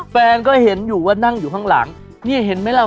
แฟนก็เห็นอยู่ว่านั่งอยู่ข้างหลังนี่เห็นไหมล่ะ